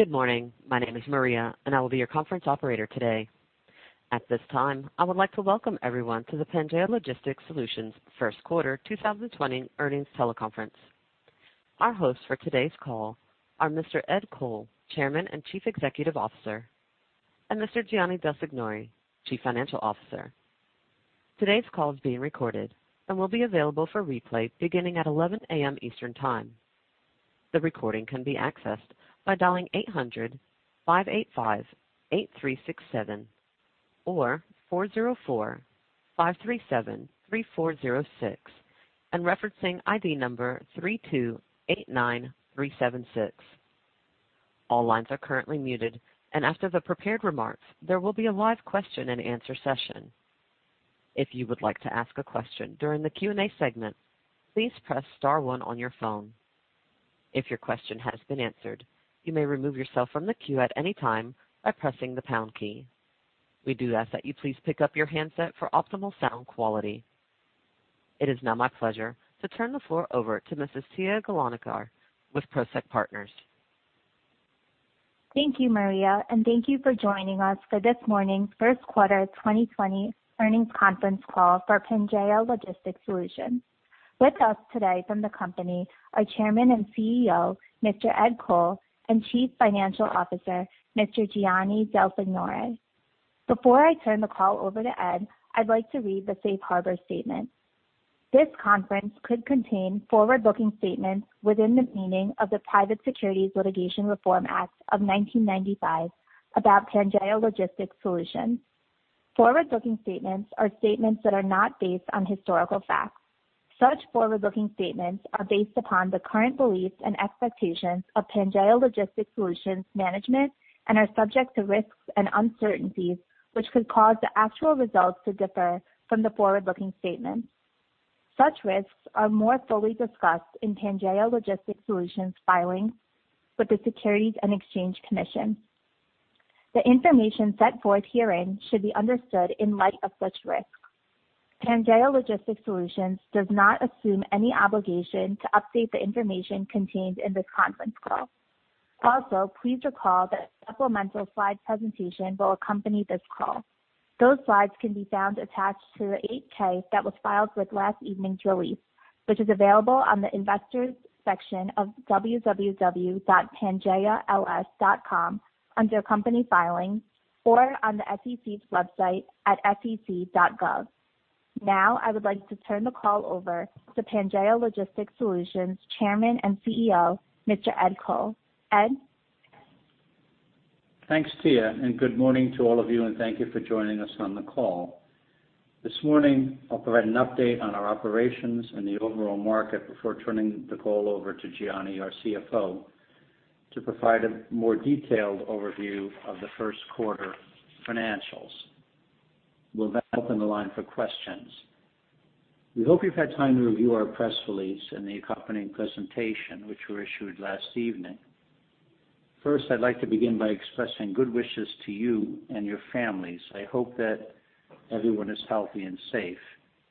Good morning. My name is Maria, and I will be your conference operator today. At this time, I would like to welcome everyone to the Pangaea Logistics Solutions first quarter 2020 earnings teleconference. Our hosts for today's call are Mr. Ed Coll, Chairman and Chief Executive Officer, and Mr. Gianni Del Signore, Chief Financial Officer. Today's call is being recorded and will be available for replay beginning at 11:00 A.M. Eastern Time. The recording can be accessed by dialing 800-585-8367 or 404-537-3406 and referencing ID number 3289376. All lines are currently muted, and after the prepared remarks, there will be a live question-and-answer session. If you would like to ask a question during the Q&A segment, please press star one on your phone. If your question has been answered, you may remove yourself from the queue at any time by pressing the pound key. We do ask that you please pick up your handset for optimal sound quality. It is now my pleasure to turn the floor over to Mrs. Tia Gulanikar of Prosek Partners, Thank you, Maria, and thank you for joining us for this morning's First Quarter 2020 earnings conference call for Pangaea Logistics Solutions. With us today from the company are Chairman and CEO Mr. Ed Coll and Chief Financial Officer Mr. Gianni Del Signore. Before I turn the call over to Ed, I'd like to read the Safe Harbor Statement. This conference could contain forward-looking statements within the meaning of the Private Securities Litigation Reform Act of 1995 about Pangaea Logistics Solutions. Forward-looking statements are statements that are not based on historical facts. Such forward-looking statements are based upon the current beliefs and expectations of Pangaea Logistics Solutions management and are subject to risks and uncertainties which could cause the actual results to differ from the forward-looking statements. Such risks are more fully discussed in Pangaea Logistics Solutions filings with the Securities and Exchange Commission. The information set forth herein should be understood in light of such risks. Pangaea Logistics Solutions does not assume any obligation to update the information contained in this conference call. Also, please recall that a supplemental slide presentation will accompany this call. Those slides can be found attached to the 8-K that was filed with last evening's release, which is available on the investors' section of www.pangaea-ls.com under company filings or on the SEC's website at sec.gov. Now, I would like to turn the call over to Pangaea Logistics Solutions Chairman and CEO Mr. Ed Coll. Ed? Thanks, Tia, and good morning to all of you, and thank you for joining us on the call. This morning, I'll provide an update on our operations and the overall market before turning the call over to Gianni, our CFO, to provide a more detailed overview of the first quarter financials. We'll now open the line for questions. We hope you've had time to review our press release and the accompanying presentation, which were issued last evening. First, I'd like to begin by expressing good wishes to you and your families. I hope that everyone is healthy and safe,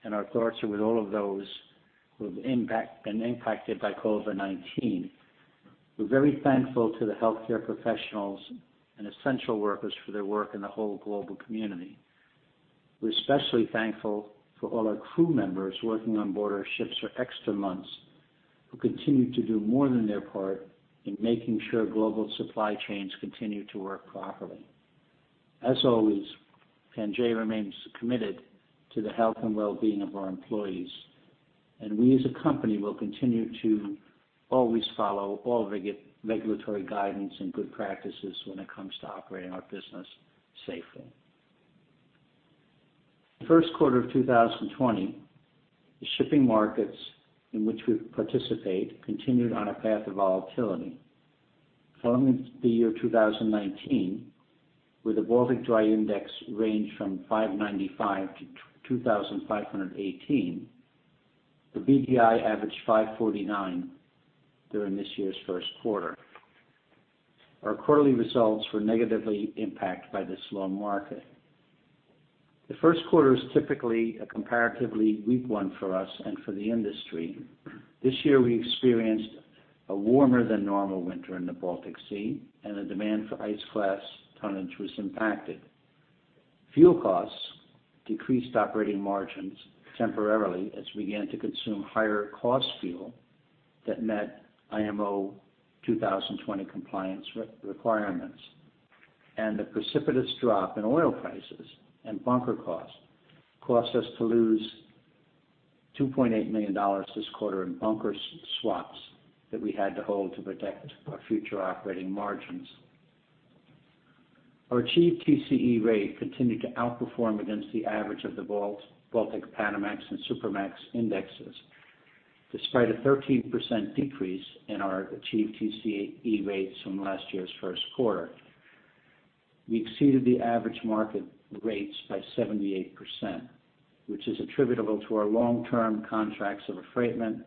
and our thoughts are with all of those who have been impacted by COVID-19. We're very thankful to the healthcare professionals and essential workers for their work in the whole global community. We're especially thankful for all our crew members working on board our ships for extra months who continue to do more than their part in making sure global supply chains continue to work properly. As always, Pangaea remains committed to the health and well-being of our employees, and we as a company will continue to always follow all regulatory guidance and good practices when it comes to operating our business safely. The first quarter of 2020, the shipping markets in which we participate continued on a path of volatility. Following the year 2019, where the Baltic Dry Index ranged from 595-2,518, the BDI averaged 549 during this year's first quarter. Our quarterly results were negatively impacted by this slow market. The first quarter is typically a comparatively weak 1 for us and for the industry. This year, we experienced a warmer-than-normal winter in the Baltic Sea, and the demand for ice-class tonnage was impacted. Fuel costs decreased operating margins temporarily as we began to consume higher cost fuel that met IMO 2020 compliance requirements, and the precipitous drop in oil prices and bunker costs caused us to lose $2.8 million this quarter in bunker swaps that we had to hold to protect our future operating margins. Our achieved TCE rate continued to outperform against the average of the Baltic Panamax and Supramax indexes, despite a 13% decrease in our achieved TCE rates from last year's first quarter. We exceeded the average market rates by 78%, which is attributable to our long-term contracts of affreightment,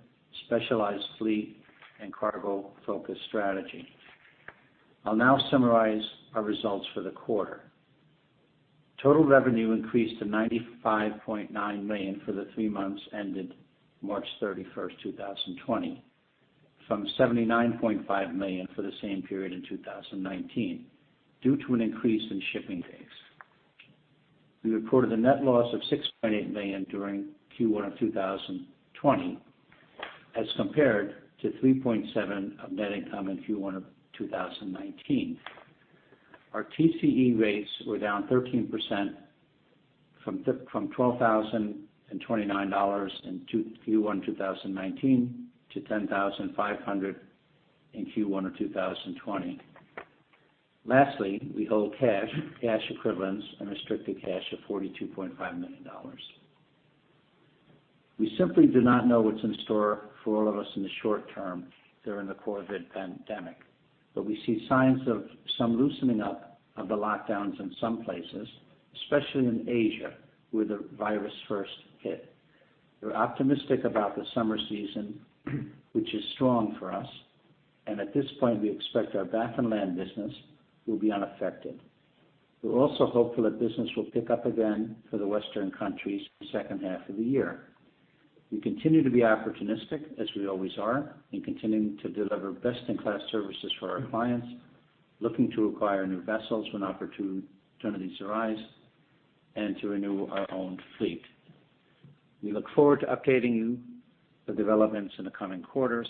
specialized fleet, and cargo-focused strategy. I'll now summarize our results for the quarter. Total revenue increased to $95.9 million for the three months ended March 31st, 2020, from $79.5 million for the same period in 2019 due to an increase in shipping rates. We reported a net loss of $6.8 million during Q1 of 2020 as compared to $3.7 million of net income in Q1 of 2019. Our TCE rates were down 13% from $12,029 in Q1 of 2019 to $10,500 in Q1 of 2020. Lastly, we hold cash equivalents and restricted cash of $42.5 million. We simply do not know what's in store for all of us in the short term during the COVID pandemic, but we see signs of some loosening up of the lockdowns in some places, especially in Asia where the virus first hit. We're optimistic about the summer season, which is strong for us, and at this point, we expect our Baffinland business will be unaffected. We're also hopeful that business will pick up again for the Western countries in the second half of the year. We continue to be opportunistic, as we always are, in continuing to deliver best-in-class services for our clients, looking to acquire new vessels when opportunities arise, and to renew our own fleet. We look forward to updating you with developments in the coming quarters,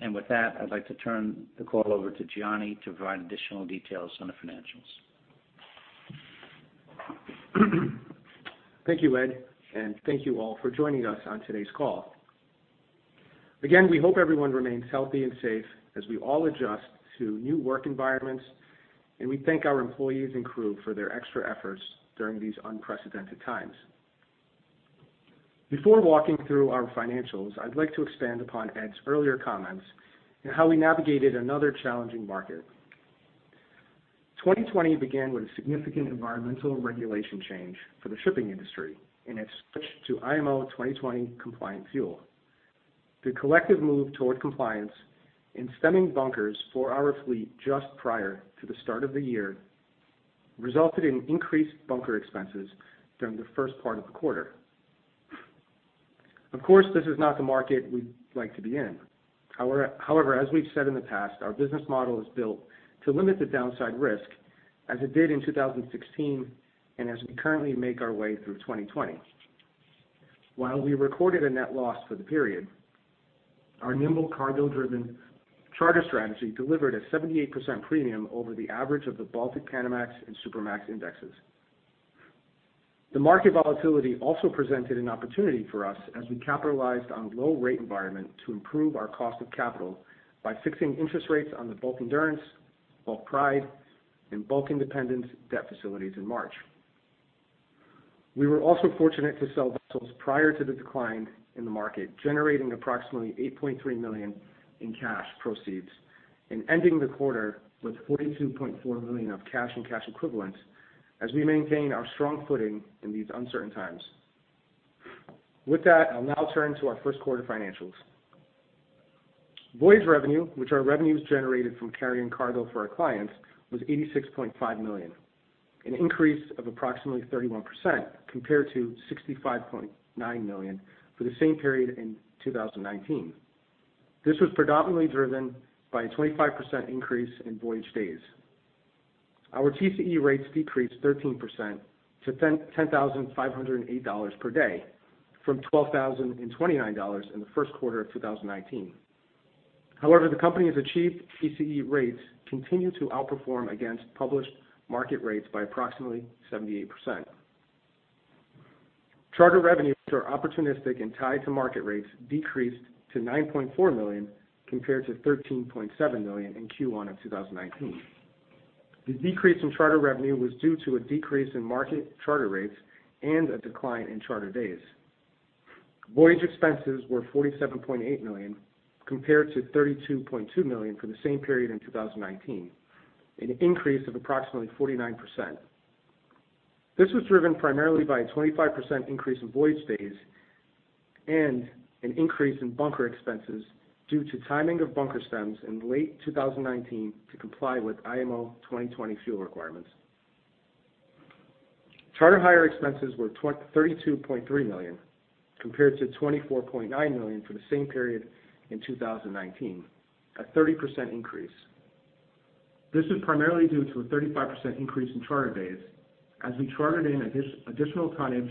and with that, I'd like to turn the call over to Gianni to provide additional details on the financials. Thank you, Ed, and thank you all for joining us on today's call. Again, we hope everyone remains healthy and safe as we all adjust to new work environments, and we thank our employees and crew for their extra efforts during these unprecedented times. Before walking through our financials, I'd like to expand upon Ed's earlier comments and how we navigated another challenging market. 2020 began with a significant environmental regulation change for the shipping industry in its push to IMO 2020 compliant fuel. The collective move toward compliance in stemming bunkers for our fleet just prior to the start of the year resulted in increased bunker expenses during the first part of the quarter. Of course, this is not the market we'd like to be in. However, as we've said in the past, our business model is built to limit the downside risk as it did in 2016 and as we currently make our way through 2020. While we recorded a net loss for the period, our nimble cargo-driven charter strategy delivered a 78% premium over the average of the Baltic Panamax and Supramax indexes. The market volatility also presented an opportunity for us as we capitalized on a low-rate environment to improve our cost of capital by fixing interest rates on the Bulk Endurance, Bulk Pride, and Bulk Independence debt facilities in March. We were also fortunate to sell vessels prior to the decline in the market, generating approximately $8.3 million in cash proceeds and ending the quarter with $42.4 million of cash and cash equivalents as we maintain our strong footing in these uncertain times. With that, I'll now turn to our first quarter financials. Voyage revenue, which are revenues generated from carrying cargo for our clients, was $86.5 million, an increase of approximately 31% compared to $65.9 million for the same period in 2019. This was predominantly driven by a 25% increase in voyage days. Our TCE rates decreased 13% to $10,508 per day from $12,029 in the first quarter of 2019. However, the company's achieved TCE rates continue to outperform against published market rates by approximately 78%. Charter revenue, which are opportunistic and tied to market rates, decreased to $9.4 million compared to $13.7 million in Q1 of 2019. The decrease in charter revenue was due to a decrease in market charter rates and a decline in charter days. Voyage expenses were $47.8 million compared to $32.2 million for the same period in 2019, an increase of approximately 49%. This was driven primarily by a 25% increase in voyage days and an increase in bunker expenses due to timing of bunker stems in late 2019 to comply with IMO 2020 fuel requirements. Charter hire expenses were $32.3 million compared to $24.9 million for the same period in 2019, a 30% increase. This was primarily due to a 35% increase in charter days as we chartered in additional tonnage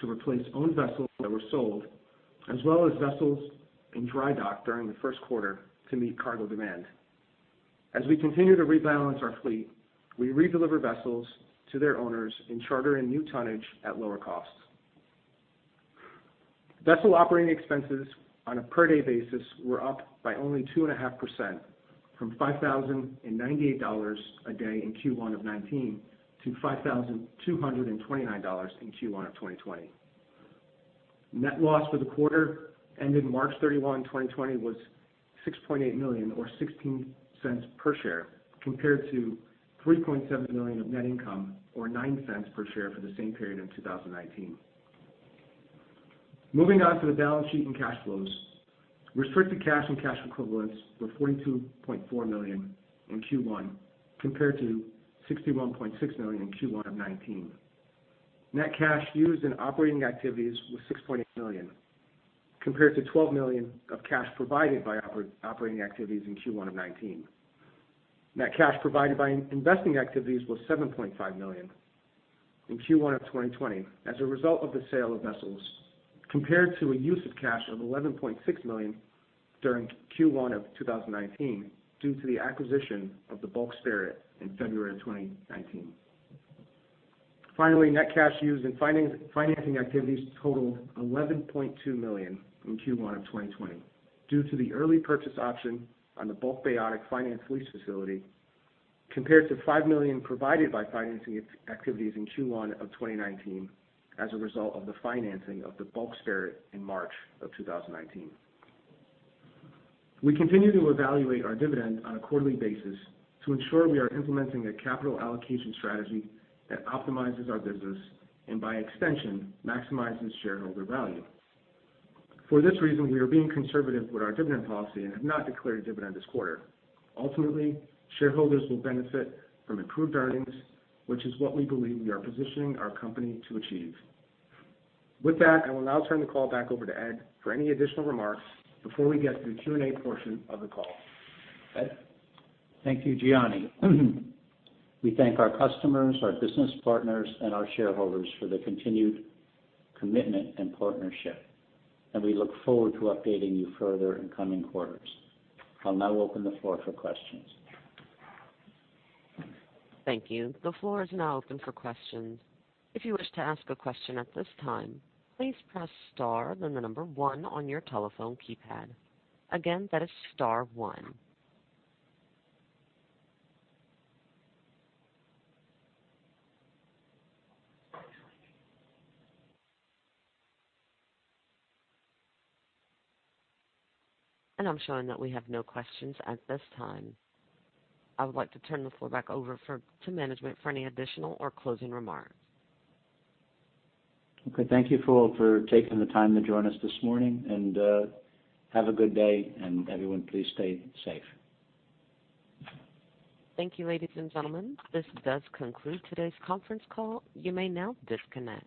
to replace owned vessels that were sold, as well as vessels in dry dock during the first quarter to meet cargo demand. As we continue to rebalance our fleet, we re-deliver vessels to their owners and charter in new tonnage at lower costs. Vessel operating expenses on a per-day basis were up by only 2.5% from $5,098 a day in Q1 of 2019 to $5,229 in Q1 of 2020. Net loss for the quarter ended March 31, 2020, was $6.8 million, or $0.16 per share, compared to $3.7 million of net income, or $0.09 per share for the same period in 2019. Moving on to the balance sheet and cash flows, restricted cash and cash equivalents were $42.4 million in Q1 compared to $61.6 million in Q1 of 2019. Net cash used in operating activities was $6.8 million compared to $12 million of cash provided by operating activities in Q1 of 2019. Net cash provided by investing activities was $7.5 million in Q1 of 2020 as a result of the sale of vessels compared to a use of cash of $11.6 million during Q1 of 2019 due to the acquisition of the Bulk Spirit in February of 2019. Finally, net cash used in financing activities totaled $11.2 million in Q1 of 2020 due to the early purchase option on the Bulk Bayonet finance lease facility compared to $5 million provided by financing activities in Q1 of 2019 as a result of the financing of the Bulk Spirit in March of 2019. We continue to evaluate our dividend on a quarterly basis to ensure we are implementing a capital allocation strategy that optimizes our business and, by extension, maximizes shareholder value. For this reason, we are being conservative with our dividend policy and have not declared a dividend this quarter. Ultimately, shareholders will benefit from improved earnings, which is what we believe we are positioning our company to achieve. With that, I will now turn the call back over to Ed for any additional remarks before we get to the Q&A portion of the call. Ed? Thank you, Gianni. We thank our customers, our business partners, and our shareholders for their continued commitment and partnership, and we look forward to updating you further in coming quarters. I'll now open the floor for questions. Thank you. The floor is now open for questions. If you wish to ask a question at this time, please press star then the number one on your telephone keypad. Again, that is star one. And I'm showing that we have no questions at this time. I would like to turn the floor back over to management for any additional or closing remarks. Okay. Thank you all for taking the time to join us this morning, and have a good day. Everyone, please stay safe. Thank you, ladies and gentlemen. This does conclude today's conference call. You may now disconnect.